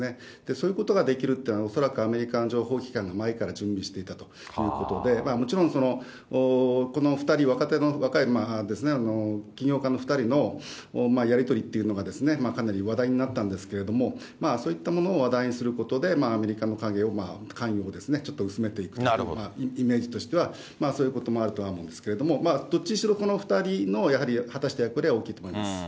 そういうことができるというのは、恐らくアメリカの情報機関が前から準備していたということで、もちろん、この２人、若手の若い起業家の２人のやり取りというのが、かなり話題になったんですけど、そういったものを話題にすることで、アメリカの関与をちょっと薄めていくというような、イメージとしては、そういうこともあるとは思うんですけれども、どっちにしろ、この２人のやはり、果たした役割は大きいと思います。